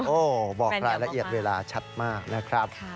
โอ้โหบอกรายละเอียดเวลาชัดมากนะครับ